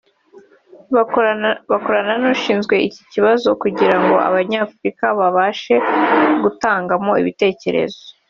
bakorana n’ushinzwe iki kibazo […] kugira ngo Abanyafurika babashe gutangamo ibitekerezo